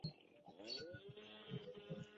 授监察御史。